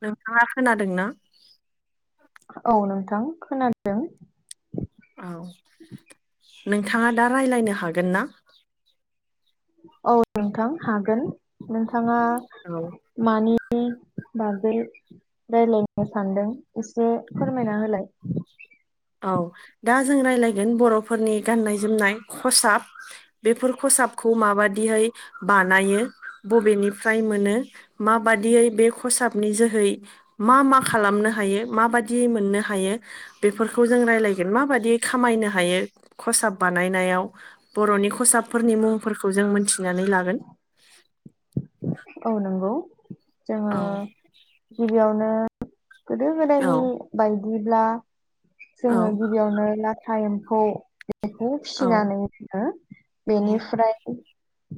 नोंथाङा खोनादों ना? औ नोंथां खोनादों। औ नोंथाङा दा राय्लायनो हागोन ना? औ नोंथां हागोन नोंथाङा औ मानि बादै राय्लायनो सानदों एसे फोरमायना होलाय औ दा जों राय्लायगोन बर'फोरनि गाननाय जोमनाय खसाब बेफोर खसाब खौ माबायदियै बानायो बबेनिफ्राय मोनो माबायदियै बे खसाबनि जोहै मा मा खालामनो हायो माबाददि मोननो हायो बेफोरखौ जों रालायगोन माबायदियै खामायनो हायो खसाब बानायनायाव बर'नि खसाब फोरनि मुंफोरखौ जों मोनथिनानै लागोन औ नंगौ जोङो औ गिबियावनो गोदो गोदायनि औ बाय दिब्ला औ जोङो गिबियावनो लाथा एम्फौ बेखौ औ फिसिनानै जोङो बेनिफ्राय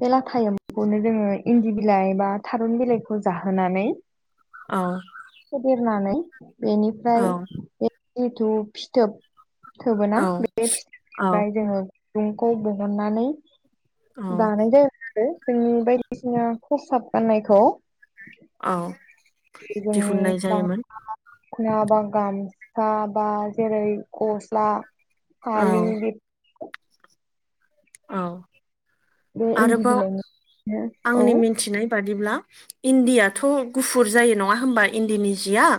बे लाथा एम्फौखौनो जोङो इन्दि बिलाइ बा थारुन बिलाइखौ जाहोनानै औ होननानै बेनिफ्राय औ जिथु फिथोब औ थोबोना बे औ फिथोबनिफ्राय जोङो खुन्दुंखौ दिहननानै औ दानाय जाया आरो जोंनि बायदिसिना खसाब गाननायखौ। औ। दिहुननाय जायोमोन [inaudible] नंङाबा गामसा बा जेरै गस्ला। औ फालि बिफोर। औ बे इन्दि आरोबाव बिलाइनि औ आंनि मिथिनाय। बादिब्ला इन्दियाथ गुफुर जायो नंङा होमबा इन्दिनि जिया।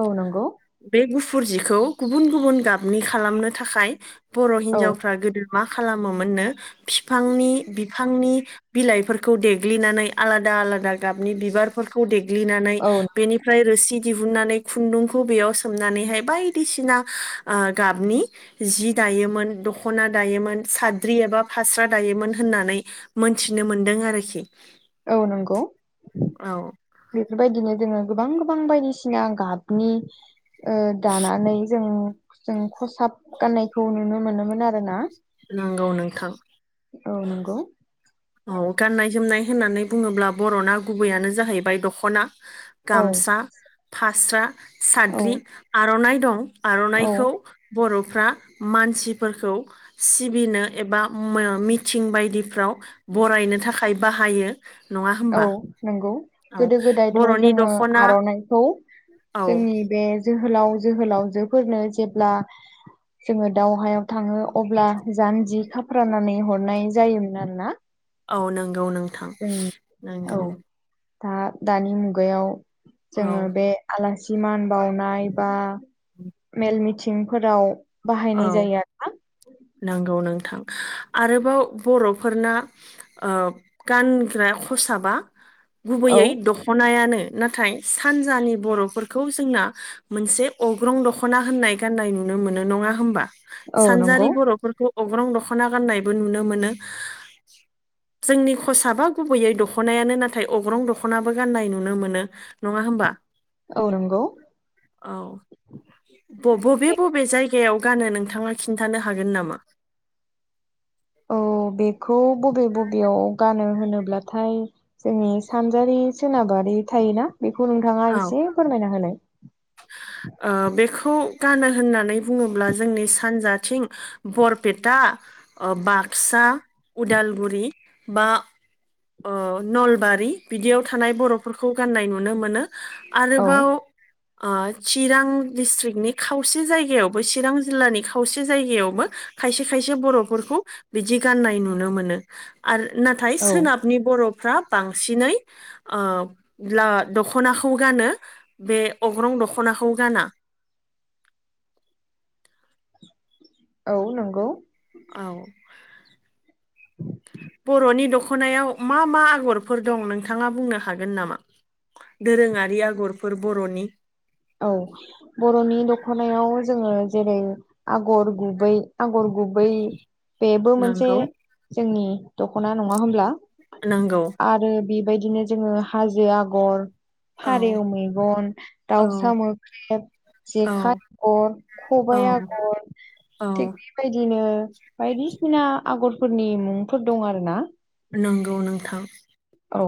औ नंगौ। गुफुरजिखौ गुबुन गुबुन गाबनि खालामनो थाखाय बर औ हिनजावफ्रा गोदो मा खालामो। मोननो फिफांनि बिफांनि। बिलाइफोरखौ देग्लिनानै आलादा आलादा गाबनि बिबारफोरखौ दे। देग्लिनानै औ बेनिफ्राय रोसि। दिहुननानै खुन्दुंखौ बे सोमनानैहाय बायदिसिना गाबनि जि दायोमोन। दायोमोन दखना दायोमोन। साद्रि एबा फास्रा दायोमोन होननानै मोनथिनो मोन्दों आरोखि। औ नंगौ औ बेफोरबायदिनो जोंङो। गोबां गोबां बायदिसिना गाबनि। दानानै जों जों खसाब गाननायखौ नुनो मोनोमोन आरोना। नंगौ नोंथां। औ नंगौ। औ गाननाय जोमनाय होननानै बुङोब्ला बरना गुबैयानो जाहैबाय दखना। औ गामसा फास्रा साद्रि औ आरनाइ दं। औ आरनाइखौ बर। फोरा मानसिफोरखौ सिबिनो एबा मिथिं बायदिफ्राव। बरायनो थाखाय बाहायो। नङा औ होमबा नंगौ। औ गोदो गोदायथ बर'नि जोंङो दख'ना आरनाइखौ औ जोंनि बे। जोहोलाव जोहोलावजोफोरनो जेब्ला। जोंङो दावहायाव थांङो अब्ला जानजि खाफ्रानानै हरनाय जायोमोन आरोना। औ नंगौ नोंथां जों औ नंगौ। दा दानि मुगायाव औ जोंङो बे आलासि मान बानाय बा। मेल मिथिंफोराव बाहायनाय औ जायो आरो ना। नंगौ नोंथां आरोबाव बरफोरना गानग्रा खसाबा। गुबैयै औ दखनायानो। नाथाय सानजानि बरफोरखौ जोंना मोनसे अग्रं दखना होननाय गाननाय नुनो मोनो। मोनो नंङा होमबा औ सानजारि नंगौ बरफोरखौ। अग्रं दखना गाननायबो नुनो मोनो। जोंनि खसाबा गुबैयै दखनायानो नाथाय अग्रं दखनाबो गाननाय नुनो मोनो नङा होमबा। औ नंगौ औ बबे बबे जायगायाव। गानो नोंथांङा खिन्थानो हागोन नामा। औ बेखौ। बबे बबेयाव गानो होनोब्लाथाय जोंनि सानजारि सोनाबारि थायोना। बेखौ नोंथांङा औ एसे फोरमायना होलाय। [inaudible] बेखौ गानो होननानै बुङोब्ला जोंनि सानजाथिं बरपेटा। ओ बाक्सा उदालगुरि बा ओ नलबारि बिदियाव थानाय बरफोरखौ गान्नाय नुनो मोनो औ आरोबाव ओ चिरां डिस्ट्रिगनि खावसे जायगायावबो चिरां जिल्लानि खावसे जायगायावबो खायसे खायसे बरफोरखौ बिदि गाननाय नुनो मोनो आरो नाथाय औ सोनाबनि बर'फ्रा बांसिनै ओ ब्ला दख'नाखौ गानो बे अग्रं दख'नाखौ गाना औ नंगौ औ बर'नि दख'नायाव मा मा आगरफोर दं नोंथाङा बुंनो हागोन नामा दोरोङारि आगरफोर बर'नि औ बर'नि दख'नायाव जोङो जेरै आगर गुबै आगर गुबै बेबो मोनसे नंगौ जोंनि दख'ना नङा होनोमब्ला नोंगौ बेबायदिनो जोङो हाजो आगर औ फारेव मेगन औ दाउसा मोख्रेब जेखाय औ आगर औ खबाइ आगर औ थिग बेबायदिनो बायदिसिना आगरफोरनि मुंफोर दं आरो ना नोंगौ नोंथां औ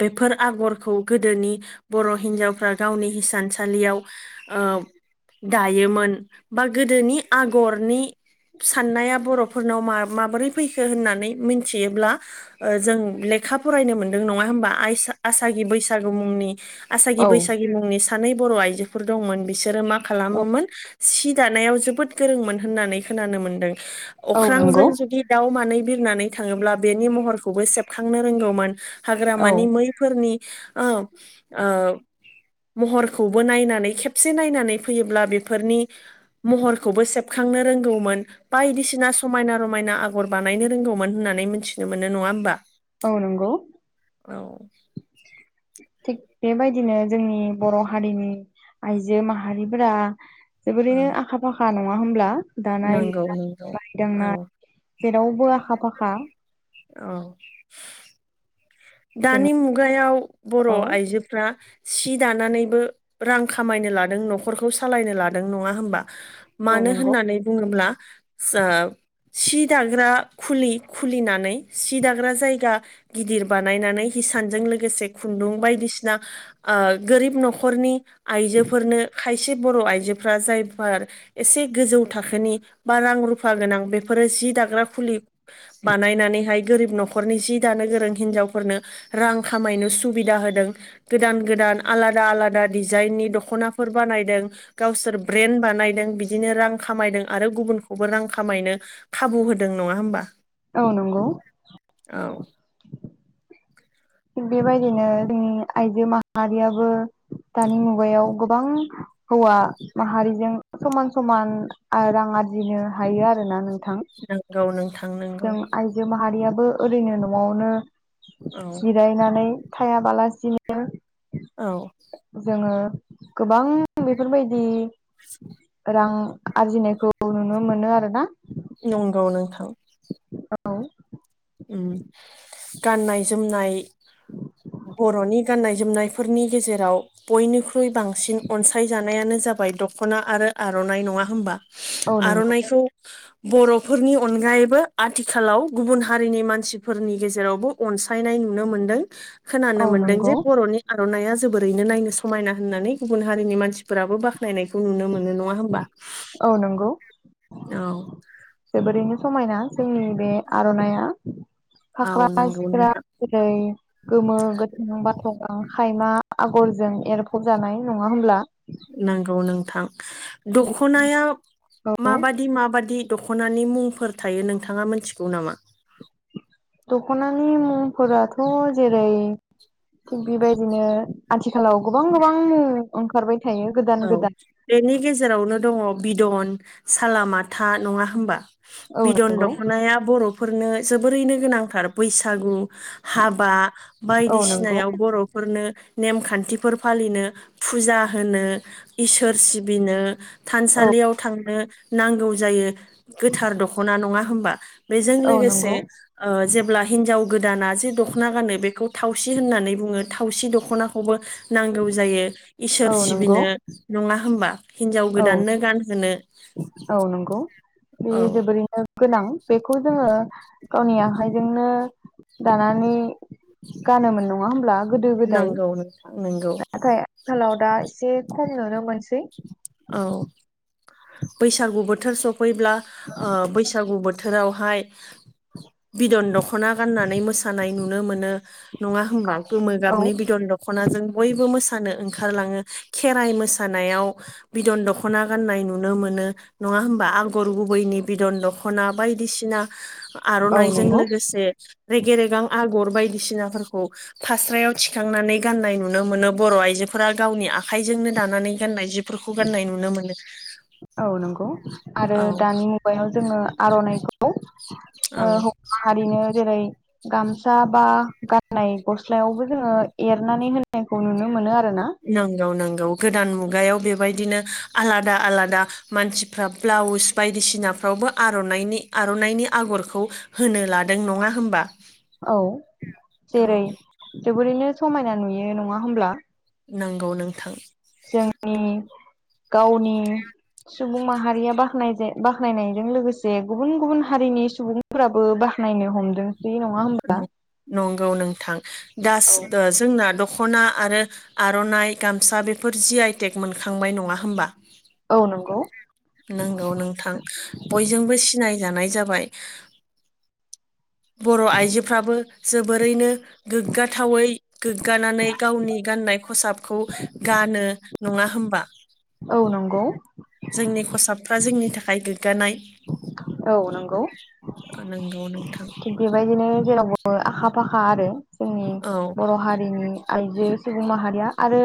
बेफोर आगरखौ गोदोनि बर' हिन्जावफ्रा गावनि हिसानसालियाव ओ दायोमोन बा गोदोनि आगरनि साननाया बर'फोरनाव मा माबोरै फैखो होननानै मिथियोब्ला जों लेखा फरायनो मोनदों नङा होमबा आइस आसागि बैसागु मुंनि आसागि औ बैसागि मुंनि सानै बर' आइजोफोर दंमोन बिसोरो मा औ खालामोमोन सि दानायाव जोबोद गोरोंमोन होननानै खोनानो मोन्दों औ नंगौ अख्रांजों जुदि दाउ मानै बिरनानै थाङोब्ला बेनि महरखौबो सेबखांनो रोंगौमोन औ हाग्रामानि मैफोरनि औ ओ महरखौबो नायनानै खेबसे नायनानै फैयोब्ला बेफोरनि महरखौबो सेब खांनो रोंगौमोन बायदिसिना समायना रमायना आगर बानायनो रोंगौमोन होननानै मिथि नो मोनो नङा होमबा औ नंगौ औ थिग बेबायदिनो जोंनि बर' हारिनि आइजो माहारिफोरा जोबोरैनो आखा फाखा नङा होमब्ला दानाय नोंगौ नोंगौ लुनाय दांनाय औ जेरावबो आखा फाखा औ जोङो दानि मुगायाव बर' औ आइजोफ्रा सि दानानैबो रां खामायनो लादों न'खरखौ सालायनो लादों नङा होमबा औ मानो नंगौ होननानै बुङोब्ला सि दाग्रा खुलि खुलिनानै सि दाग्रा जायगा गिदिर बानायनानै हिसानजों लोगोसे खुन्दुं बायदिसिना ओ गोरिब न'खरनि आइजोफोरनो खायसे बर' आइजोफोरा जायफोर एसे गोजौ थाखोनि बा रां रुफा गोनां बेफोरो जि दाग्रा फुलि बानायनानैहाय गोरिब न'खरनि जि दानो गोरों हिनजावफोरनो रां खामायनो सुबिदा होदों गोदान गोदान आलादा आलादा डिजाइन दखनाफोर बानायदों गावसोर ब्रेन्द बानायदों बिदिनो रां खामायदों आरो गुबुनखौबो खामायनो खाबु होदों नङा होमबा औ नंगौ औ थिग बेबायदिनो जोंनि आइजो माहारियाबो दानि मुगायाव गोबां हौवा माहारिजों समान समान आ राङा आरजिनो हायो आरोना नोंथां नंगौ नोंथां नंगौ जों आइजो माहारियाबो ओरैनो न'आवनो औ जिरायनानै थायाबालासिनो औ जोङो गोबां बेफोरबायदि रां आरजिनायखौ नुनो मोनो आरोना। नंगौ नोंथां। औ उम गाननाय जोमनाय बर'नि गाननाय जोमनायफोरनि गेजेराव बयनिखु इ बांसिन अनसायजानायानो जाबाय दख'ना आरो आर'नाइ नङा होमबा? औ नंगौ आर'नाइखौ बर'फोरनि अनगायैबो आथिखालाव गुबुन हा हारिनि मानसिफोरनि गेजेरावबो अनसायनाय नुनो मोनदों खोनानो औ मोनदों जे नंगौ बर'नि आर'नाइया जोबोरैनो नायनो समायना होननानै गुबुन हारिनि मानसिफोराबो बाख्नायखौ नुनो मोनो नङा होनबा? औ नंगौ औ। जोबोरैनो समायना जोंनि बे आर'नाइआ। औ फाख्रा नंगौ सिख्रा नोंथां जेरै गोमो गोथां बाथ खायमा आगरजों एरफब जानाय नङा होमब्ला? नोंगौ नोंथां दख'नाया औ माबादि माबादि दख'नानि मुंफोर थायो नोंथाङा मोनथिगौ नामा? दख'नानि मुंफोराथ' जेरै थिग बेबायदिनो आथिखालाव गोबां गोबां ओंखारबाय थायो गोदान औ गोदान बेनि गेजेरावनो दङ बिदन सालामाथा नङा होमबा? औ बिदन नंगौ दख'नाया बर'फोरनो जोबोरैनो गोनांथार बैसागु हाबा औ नंगौ बायदिसिनायाव बर'फोरनो नेमखान्थिफोर फालिनो फुजा होनो इसोर सिबिनो औ थानसालियाव थांनो नांगौ जायो गोथार दख'ना नङा होनबा? बेजों औ लोगोसे नंगौ ओ जेब्ला हिनजाव गोदाना जे दख'ना गानो बेखौ थावसि होननानै बुङो थावसि दख'नाखौबो नांगौ जायो इसोर औ नंगौ सिबिनो नङा होमबा हिनजाव औ गोदाननो गानहोनो औ नंगौ बे औ जोबोरैनो गोनां। बेखौ जोङो गावनि आखाइजोंनो दानानै गानोमोन नङा होमब्ला? गोदो गोदाय नंगौ नोंथां नंगौ नाथाय आथिखालाव दा एसे खम नुनो मोनसै। औ बैसागु बोथोर सफैब्ला बैसागु बोथोर बोथोरावहाय बिदन दखना गाननानै मोसानाय नुनो मोनो। नङा होनबा गोमो औ गाबनि बिदन दख'नाजों बयबो मोसानो ओं ओंखारलाङो खेराइ मोसानायाव बिदन दख'ना गाननाय नुनो मोनो नङा होमबा आगर गुबैनि बिदन दख'ना बायदिसिना औ आर'नाइजों नंगौ लोगोसे रेगे रेगां आगर बायदि बायदिसिनाफोरखौ फास्रायाव थिखांनानै गाननाय नुनो मोनो बर' आइजोफोरा गावनि आखाइजोंनो दानानै गाननाय जिफोरखौ गान्नाय नुनो मोनो। औ नंगौ आरो औ दानि मुगायाव जोङो आर'नाइखौ औ ओ [inaudible] माहारिनो जेरै गामसा बा गाननाय गस्लायावबो जोङो एरनानै होनायखौ नुनो मोनो आरो। नोंगौ नोंगौ गोदान मुगायाव बे बायदिनो आलादा आलादा मानसिफ्रा ब्लाउस बायदिसिनाफ्राव आर'नाइनि आर'नाइनि आगरखौ होनो लादों नङा होमबा? औ जेरै औ जोबोरैनो समायना नुयो नङा होमब्ला? नंगौ नोंथां। जोंनि गावनि सुबुं माहारिया बाखनाय बाखनायनायजों लोगोसे गुबुन गुबुन हारिनि सुबुंफोराबो नायनो हमदोंसै नङा होमबा? औ नोंथां औ दा जोंना दख'ना आरो आर'नाइ गामसा बेफोर जि आइटेक मोनखांबाय नङा होमबा औ नंगौ नंगौ नोंथां बयजोंबो सिनायजानाय जाबाय बर' आइजोफ्राबो जोबोरैनो गोग्गाथावै गोग्गानानै गावनि गाननाय खसाबखौ गानो नङा होमबा औ नंगौ जोंनि खसाबफ्रा जोंनि थाखाय गोग्गानाय औ नंगौ नंगौ नोंथां थिग बेबायदिनो जेरावबो आखा फाखा आरो जोंनि औ बर' हारिनि आइजो सुबुं माहारिया आरो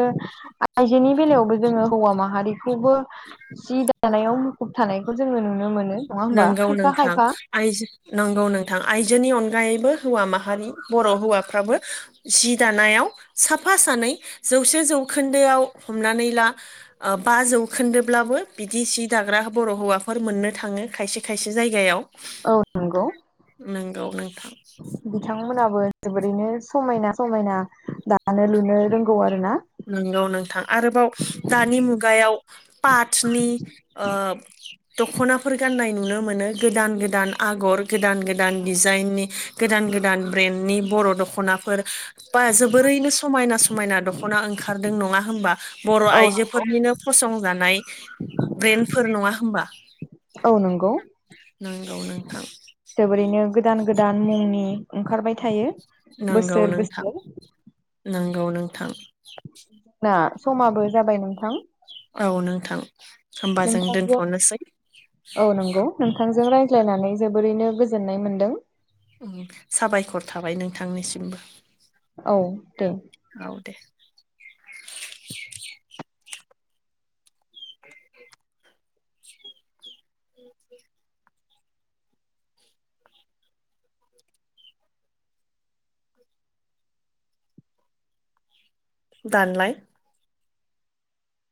आइजोनि बेलायावबो जोङो हौवा माहारिखौबो जि दानायाव मुखुब थानायखौ जोङो नुनो मोनो नङा होमबा नंगौ खायफा नोंथां खायफा आइजो नंगौ नोंथां आइजोनि अनगायैबो हौवा माहारि बर' हौवाफ्राबो जि दानायाव साफा सानै जौसे जौखोन्दोआव हमनानै ला बा जौखोन्दोब्लाबो बिदि सि दाग्रा बर' हौवाफोर मोननो थाङो। खायसे खायसे जायगायाव औ नंगौ नंगौ नोंथां। मोनाबो जोबोरैनो समायना समायना दानो लुनो रोंगौ आरो ना। नंगौ नोंथां आरोबाव दानि मुगायाव पाटनि ओ दख'नाफोर गान्नाय नुनो मोनो गोदान गोदान आगर गोदान गोदान दिजाइननि गोदान ब्रेन्डनि बर' दख'नाफोर बा जोबोरैनो समायना समायना दख'ना ओंखारदों नङा होनबा बर' औ आइजोफोरनिनो फसंजानाय ब्रेन्डफोर नङा होमबा औ नंगौ। नंगौ नोंथां जोबोरैनो गोदान गोदान मुंनि ओंखारबाय थायो। बोसोर बोसोर। नोंगौ नोंथां। जोंना समाबो जाबाय नोंथां। औ नोंथां होमबा जों नोंथांजों दोनथ'नोसै। औ नंगौ नोंथांजों रायज्लायनानै जोबोरैनो गोजोननाय मोन्दों। ओम साबायखर थाबाय नोंथांनिसिमबो। औ दे। [inaudible] दानलाय।